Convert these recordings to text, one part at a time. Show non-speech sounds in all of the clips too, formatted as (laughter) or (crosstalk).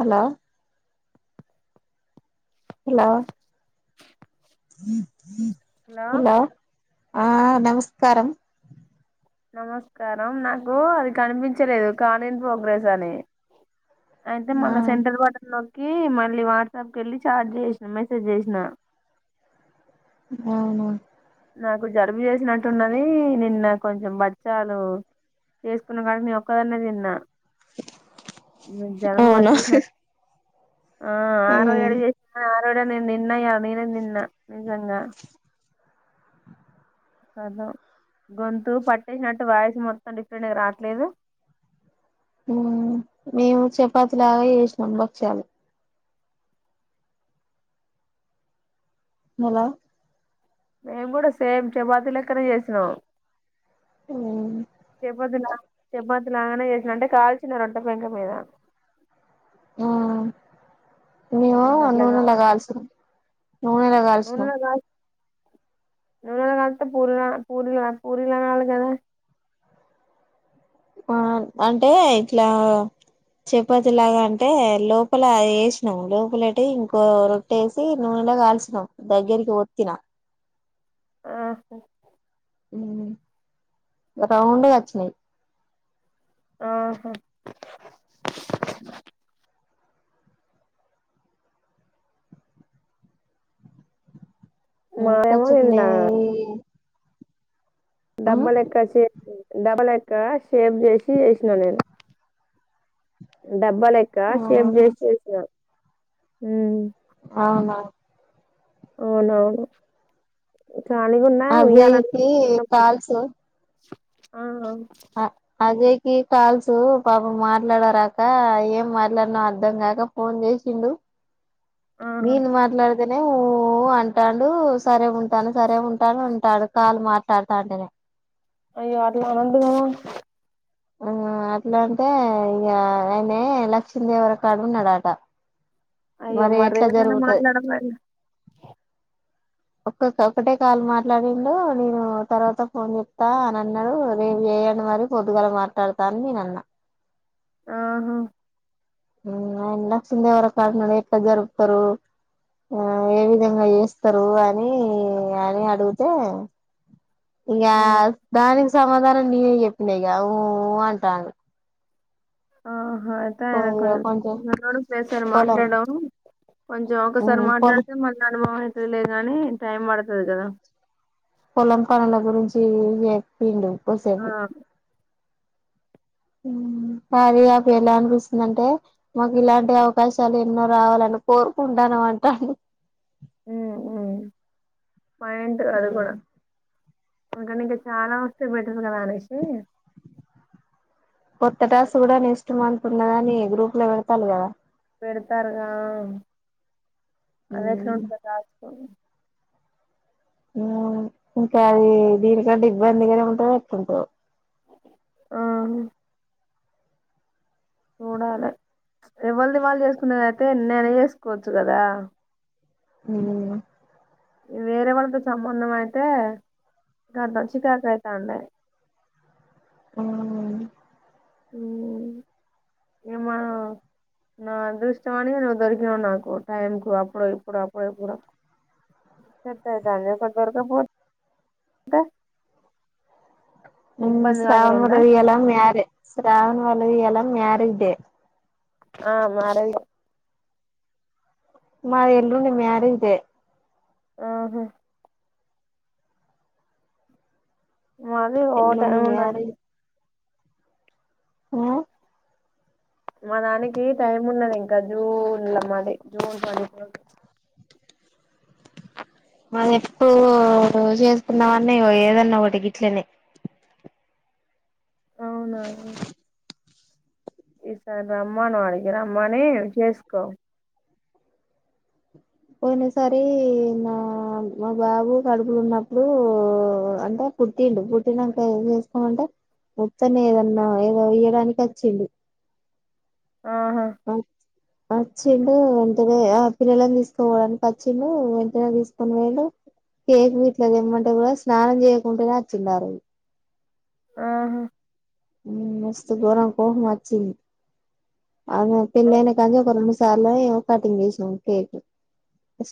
Hello hello హ (inaudible) hello ఆ నమస్కారం నమస్కారం నాకు అది కనిపించలేదు. కాల్ ఇన్ ప్రోగ్రెస్ అని అయితే ఆ మళ్ళా సెంట్రల్ బట్టన్ కి మళ్ళీ వాట్సాప్ కి వెళ్ళి చాట్ చేసినా మెసేజ్ చేసిన, అవునా నాకు జలుబు చేసినట్టున్నది నిన్న కొంచెం బచ్చాలు చేసుకున్న కాడి నే ఒక్కదన్న తిన్నా. జ్వరం అవునా పట్టేసి ఆ ఆరోజు ఏడ మ్మ్ చేసిన, సరే నేను తిన్న ఇగ నేనే తిన్న నిజంగా. ఖతం గొంతు పట్టేసినట్టు వాయిస్ మొత్తం డిఫరెంట్గా రావట్లేదు. మేము చపాతి లాగా చేసినాం బక్షాలు. హలో మేము కూడా సేమ్ చపాతీ లెక్కనే చేసినాం. చె బదుల చపాతి లాగానే చేసా అంటే కాల్చిన రొట్టె పెంక మీద ఆ మేము నూనెల గాల్సినము. నూనె ల కాల్ నూనెల కాల్తే పూరి పూరి పూరి రావాలే కదా. ఆ అంటే ఇట్లా చప్పతిలాగా అంటే లోపల వేసినాం. లోపలటి ఇంకో రొట్ట వేసి నూనెలో కాల్చినాం దగ్గరికి ఒత్తిన ఆహా రౌండు గా వచ్చినాయి. ఆహా మాదేమో కొచ్చుకు నేవీ ఇలా డబ్బా లెక్క షేప్ డబ్బాలెక్క షేప్ చేసి చేసిన నేను డబ్బా లెక్క షేప్ చేసి చేసినా హమ్ అవునా అవున అవును అజయికి కాల్స ఆ అజే కి కాల్సు పాప మాట్లాడరాాక ఏం మాట్లాడన అర్ధం కాక ఫోన్ చేసిండు ఆహా మిది మాట్లాడదనే ఊ అంటాడు సరే ఉంటాను సరే ఉంటాను అంటాడు కాలు మాట్లాాడు తాంటనే అయ్యో అట్లా అన్నదు కదా ఆ అట్లా అంటే ఇక ఆయనే లక్ష్మీదేవర కాడు ఉన్నాడట అయ్యో మరి మర ఎట్లా ఏమైనా జరుగుతది మాట్లాడలా ఒ ఒకక్కటే కాల్ మాట్లాడిడు నేను తర్వాత ఫోన్ చెత్త అని అన్నాడు నేను చేయను రే మరి పొద్దుగాల మాట్లాడతా అని నేన అన్నా ఆహా ఉమ్ ఆయన లక్ష్మి దేవర కాడునా ఎట్డ జరుపుతారు ఆ ఏ విధంగా చేస్తారు అని అని అడిగితే ఇగా ఉమ్ దాని సమాధానం నేనే చెప్పినా యిక ఊ ఊ అంటాడు ఆ యిదా కొంచెం కొంచెంన్న కూడా పసారు పొలం మాట్లాడ కొంచెం ఒకసారి పొలం మాట్లాడితే మళ్ అనుభవం లేదు కానీ టైం పడుతుంది కదా పొలం పనుల గురించి చెప్పిండు ఆ ఒసేపు ఉమ్ కార్య అప్ ల ఇలా అనిపిస్తుందింటే మాకు ఇలాంటి అవకాశాలు ఎన్నో రావాలని కోరుకుంటానుమంటా. ఉమ్ ఉమ్ పాయింట్ అది కూడా ఇక నుంచి చాలా వస్త గాాలషే (unintelligible) కొత్తటాస్క్ కూడా నెస్ట్ మంత ఇప్పుడున్నదని గ్రూప్ లో వెడతాలి కదా పెడ్తారుగా అది ఎట్లా ఉంటుందో టాస్క్ ఉమ్ ఇంకా అది దీనికంటే ఇబ్బందిగానే ఉంటంది (unintelligible) ఆ హ చూడాలి ఎవాళది వాళ్ళు చేసుకున్నదయితే నేనే చేసుకోవచ్చు కదా ఉ వేరే వాళ్ళతో సంబంధం అయితే ఇంగ చికాక అయితాంది మ్ మ్ ఏమ్మా నా అదృష్టానికి నువు దొరికి నావు నాకు టైం కు ఆప్పుడు ఇప్పుడ అప్పుడ ఇప్పుడ (unintelligible) శ్రావణ (unintelligible) ఎలా మ్యారే శ్రావణ అలది ఇయాల మ్యారేజ్ డే ఆ.. (unintelligible) మాది ఎల్లుండ మ్యారేజ్ డె ఆహా మళ్ళీ ఓ ఎల్లుండి టైం ఉండ అ మా దానికి టైం ఉన్నది ఇంకా జూన్ లొ మాది జూన్ (unintelligible) మది ఎప్పుడు చేసుకుందమంటె ఏదన్నా ఒకటి గిట్లనె అవునా ఈసారి రమ్మను వాడికి రమ్మని చేసుకో పోయిన సారి నా మా బాబు కడుపులొ ఉన్నప్పుడు అంటే పుట్టిండు పుట్టినాక ఏం చేసుకోమంటే ముత్తని ఏదన్నా ఏదో ఇయ్యడానికి వచ్చింది ఆహా వచ్చిండు వెంటనే ఆ పిల్లలని తీసుకోవడానికి వచ్చిండు వెంటనే తీసుకొని పోయిండు కేక్ ఇట్ల తెమ్మంటే గూడా స్నానం చేయకుంటేనే వచ్చిండారోజు ఆహా మస్త్ గరం కోపం వచ్చింది అదే ఆ పిల్ల ఆహా. అయినా కాసేపు కళ్ళు మూసు సర్లే ఏదో కటింగ్ చేసినం కేక్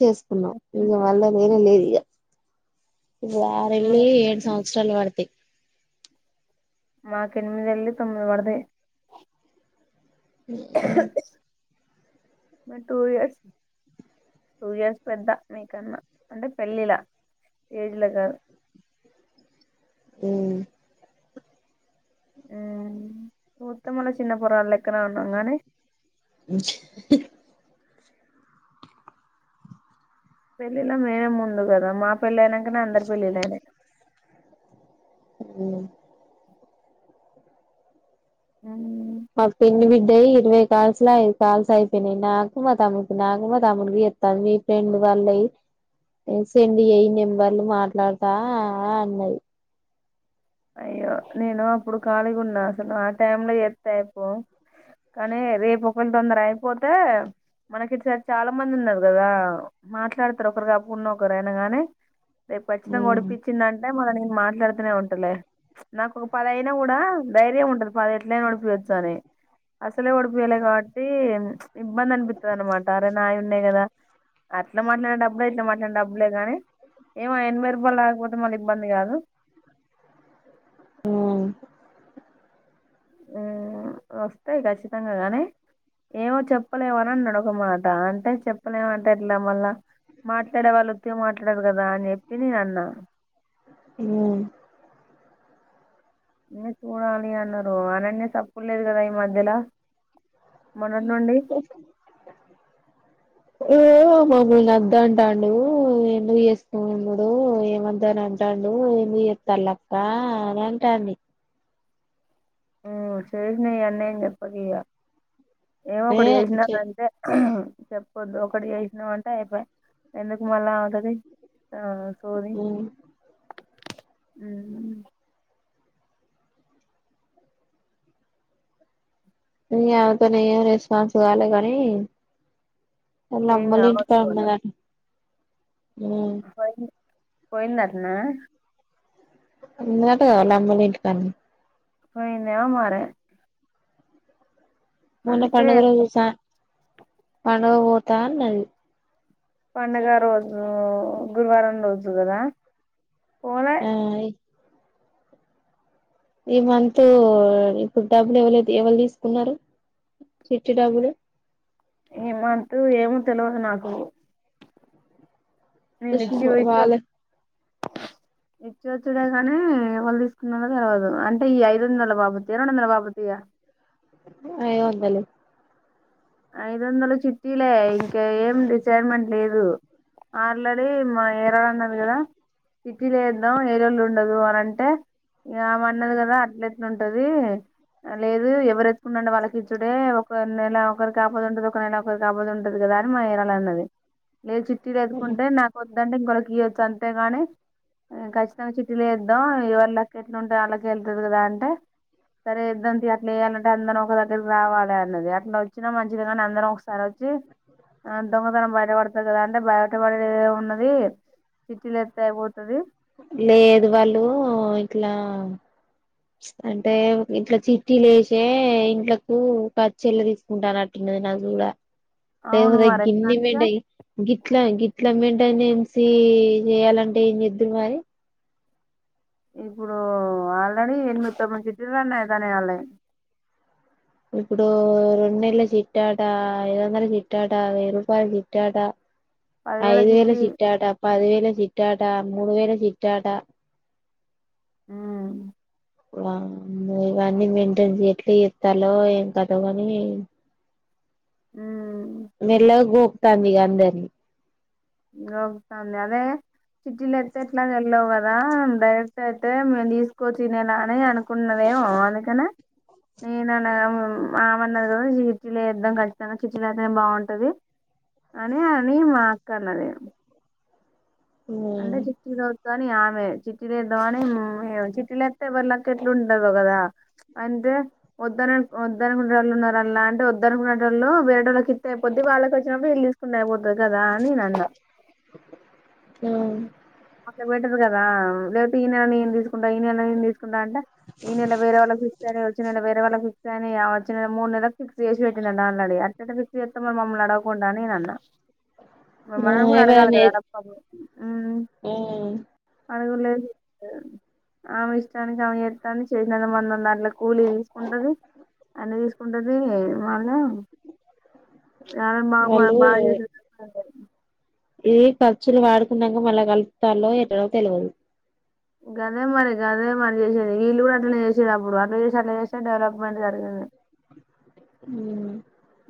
చేసుకున్నాం ఇంగ వాళ్ళ వేరే లేదు ఇహ ఈ ఆరు ఎల్లి ఏడు సంవత్స తెల్లవారితే మాకు ఎనిమిది ఎళ్ళి తొమ్మిది పడతాయి మ్ మీరి టూ ఇయర్స్ టూ ఇయర్స్ పెద్ద మీకన్నా అంటే పెళ్ళిలా ఏజ్ల కాదు మ్ మ్... మొత్తములో చిన్న పొరాలు లెక్కన ఉన్నాం కాగానీ పెళ్ళిలో మేమె ముందు కదా మా పెళ్ళి అయినాక అందరి పెళ్లిళ్లు అయినాయ్ మ్ మ్ మా పిన్ని బిడ్డయ్యి ఇరవై కాల్స్లా ఐదు కాల్స్ అయిపోయినియి నాకు మా తముకు నాకు మా తమ్ముడికి ఇత్తంది మీ ఫ్రెండ్ వాళ్ళయ్యి ఎసేయండి ఎ నెంబర్ వాళ్ళు మాట్లాడతా అన్నది అయ్యో నేను అప్పుడు ఖాళీగా ఉన్నా అసలు ఆ టైం లో ఎస్తా అయిపో కానీ రేపు ఒకవేళ తొందర అయిపోతే మనకిసారి చాలా మంది ఉన్నారు కదా మాట్లాడతారు ఒకరు కాకపొయిన ఒకరు గానీ రేపు ఖచ్చితంగా మ్మ్ ఓడిపించ్చిందంటే మని మాట్లాడతనే ఉంటలే నాకు ఒక పదయినా కూడా ధైర్యం ఉంటది పది ఎట్లైనా డిపోయచ్చు అని అసలే ఓడిపోయలే కాబట్టి ఇబ్బంది అనపితద అన్నమాట అరే నాయ ఉన్నే కదా అట్లా మాట్లాన డబ్బులే ఇట్లా మాట్లాన డబ్బులే కాగానీ ఏమో ఎనభై రూపాయలు రాకపోతే మళ్ళీ ఇబ్బంది కాదు ఆ వస్తాయి ఖచ్చితంగా గాని ఏమో చెప్పలేమ అనిని నడకన్నమాట అంటే చెప్పలేమ అంటే ఇట్లా మళ్ళ మాట్లాడే వాళ్ళు వ మాట్ అంటదు కదా అని చెప్పి నేను అన్నా మ్మ్ చూడాలి అన్నారు అననేయ తప్పు లేదు కదా ఈ మధ్యలో మన నుండి ఓ మమ్మూల్ని వద్ద అంటాడు ఎందుకు చేస్తుడు ఏమద్ద అని అంటాడు ఎందుకు చేస్తా లక్క అని అంటాన్ని శరి న అన్నే చెప్పకయా ఏమ ఏ ఒకటి చె చేసినాకంటే చెప్పొద్దు ఒకడికి చేసినామ అంటే అయిపోయి ఎందుకు మళ్ళా అవుతుది ఆ సోది అ ఇగ ఆమెతోనే ఏం రెస్పాన్స్ కాాల కానీ వాళ్ళ ఏం కావద్దు అమ్మోల్లింటికడ కూడా ఉన్నదట అ పోయిందాతన ఉందట గ వల్ల అమ్మోల్లింటికడనే పోయిందేమో మారే మొన్న పండగ రోజు స పండుగ పో తా అన్నది పండుగ రోజు గురువారం రోజు కదా పోలే ఆ ఈ మంత్ ఇప్పుడు డబ్బులు ఎవ్వ ఎవరు తీసుకున్నారు చిట్టి డబ్బులు ఇమంతూ ఏమో తెలివదు నాకు ఓ అ వాాల ఇచ్చ వచ్చుడే కానీ ఎవళ్ళు తీసుకున్న తెలవదు అంటే ఈ ఐదు వందల బాబుత రెండు వందల బాబుతయా ఐదు వందలే ఐదు వందలు చిట్టీలే ఇంకా ఏం రిసైర్మెంట్ లేదు ఆల్రెడీ మా యారాలు అన్నది కదా చిట్టీ లేద్దాం ఏరోళ్ళు ఉండదు అని అంటే ఇమె అన్నది కదా అట్ల ఎట్లా ఉంటది లేదు ఎవరు ఎత్తుకుండండ వాళ్ళకి ఇచ్చుడే ఒక నెల ఒకరికి ఆపదు ఉంటది ఒక నెళ ఒకరికి ఆపతి ఉంటది కదా అని మా ఇరాల అన్నది లేదు చిట్టిలు ఎత్తుకుంటే నాకు వదంటే ఇంకొక యొచ్చు అంతేగాని కచ్చితంగా చిట్టీలేద్దాం ఎవళకి ఎట్లాంటే అళ్ళకి వెళ్తది కదా అంటే సరే ఇద్ద అట్లాయాలంటే అందరం ఒక దగ్గరకి రావాలి అన్నది అట్లా వచ్చినా మంచిది కానీ అందరం ఒకసారి వచ్చి దొంగతనం బయటపడతారు కదా అంటే బయటపడే ఉన్నది సిటీలు ఎస్తాయిపో లేదు వాళ్ళు ఇట్లా అంటే ఇట్లా చిట్టీలు లేసే ఇండ్లకు పచ్చల్లు తీసుకుంటానట్టున్నది నా గూడ అవును అవూర మరి గిన్ని ఎట్లాగా నిండయి గిట్లా గిట్లా అమ్మిండూ (unintelligible) నిను ఎంసిఎ చేయాలంటే ఏం చెద్దురు మరి ఇప్పుడు ఆల్రెడీ ఎనిమిది తొమ్మిది సిటీలు అన్నాయి దాని వాళ్ళవి ఇప్పుడు రెన్నెల్ల చిట్ట అటా ఐదు వందల చిట్ట అటా వెయ్యి రూపాయల చిట్ట అటా పదివేల ఐదు వేల చిట్టి చిట్టాట పదివేల చిట్టా అట మూడు వేల చిట్టా ట మ్మ్ ఇవన్నీ మెయింటైన్స్ ఎట్లా చేత్తలో ఏం కాతొ కాని మ్మ్ మెల్ల గోకుతాంది ఇక అందరినీ గొకుతంది అదే చిట్టీలు ఎత్తట్లేవు వెళ్ళవు కదా డైరెక్ట్ అయితే మేము తీసుకొచ్చినేలా అని అనుకుంన్నదేమో అందుకని నేను అన్నది ఆమెన్నది కద చిట్టి లు వెద్దాం కచ్చితంగా చిట్టీలో అయితేనే బాగుంటది అని అని మా కాన్న నేను ఆ అంటే చిట్టిలు వద్దని ఆమె చిట్టీ లేద్దాం అని చిట్టీ లేత్తే ఎవళ్ళకి ఎట్లు ఉంటందో కదా అంటే వద్దుని వద్దనుకునెటొల్లు ఉన్నారు అన్న అంటే వద్దనుకునె వాళ్ళు వేరేటోళ్ళకి ఇత్తే అయిపోద్ది వాళ్ళకి వచ్చినప్పుడు వీళ్ళు తీసుకుంటే అయిపోతుంది కదా అని నేను అన్నా అవును అట్లా బెటరు కదా లేకపోతే ఇయన నేను తీసుకుంటా ఇయన నేను తీసు తీసుకుంటా అంటే ఇయన వేరే వాళ్ళకి ఇస్తే వచ్చిన వేరే వాళ్ళకి ఫ అని చిన్న మూడు నెలకి ఫిక్స్ చేసి పెట్టినండి అట్లా ఎట్లా ఫిక్స్ చేస్తావ్ మమ్మల్ని అడగకుండా అని నేను అన్నా ఆ మమ్మల్ని కూడా అడగాలి ఎవరైనా కదా ఆడకుండా ఔను ఆ అడగులేదు ఆమె ఇష్టానికి ఆమె చేత్తాంది చేసినదానికి మనదాంట్లో కూలీ తీసుకుంటుంది అన్నీ తీసుకుంటుంది మళ్ళా ఆమె మా బాగా చపించ్చుకొచ్చుకుంటాది ఇవి ఖర్చులు వాడుకున్నాక మళ్ళా కలుతాలో ఎట్లొ తెలవదు గదే మరి అదే మరి చేసేది వీళ్ళు కూడా అట్లా చేసేది అప్పుడు అట్లా చేసి అట్లా చేసే డెవలప్మెంట్ జరిగింది హ్మ్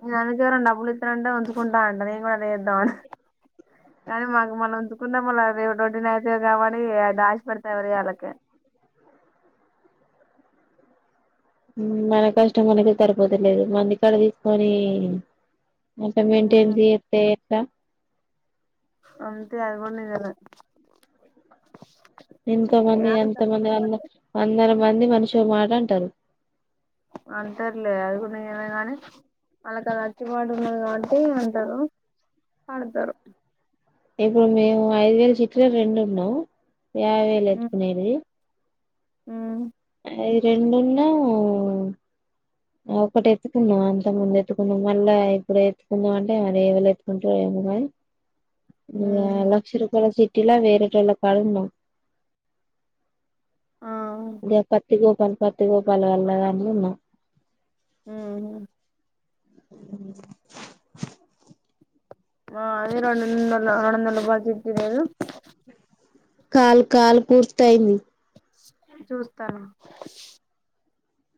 నేను అందుకే ఎవరనన్నా డబ్బులు ఇస్తానంటే ఉంచుకుంటా అంట నేను ఏదొ ఒకటి చేద్దాం అని కానీ మనం మళ్ళీ ఉంచుకున్న మళ్ళ రేపు రో (unintelligible) డ్ న అయిత కాబటి అ దాసి పెడతా ఎవరివి వాళ్ళకి మన కష్టం మనకి సరిపోత లేదు మంది కాడ తీసుకొవాలి మ్మ్ మెంటెనెన్స్ చేత్తే ఎట్ట అందుకే ఎయాబుద్దీకాలే (unintelligible) ఎంత మంది అంత మంది అంద (unintelligible) ర మంది మనుషు చు మాటంటారు అంటారులే అది నిజామే కానీ వాళ్ళకి అది అచ్చబటు ఉన్నది కాబట్టి పాడతారు ఇప్పుడు మేము ఐదు వేల చిట్లు రెండు ఉన్నాయ్ యాబై వేలు ఎత్తుకునేటిదీ ఉను ఏ రెండున్నాయి ఒకటి ఎత్తుకుందాం అంత ముందు ఎత్తుకుందాం మళ్ళా ఇప్పుడు ఎత్తుకునేది అంటే ఎలేవాళ్ళూ ఎత్తుకుంటారు ఏమో కానీ ఆ ఉమ్ లక్ష రూపాయల సిట్ కిల వెరెటొల్ల కాడవున్నాయ్ ఆ ఇగో కనబడ్తయో ఒకాల కనబడదని ఉన్నా ఉమ్ హు ఉమ్ ఆ అదే రెండుందల రెండు వందలు బచ్చి ఇచిరీళ్లు కాల్ కాల్ పూర్తయింది. చూస్తాను.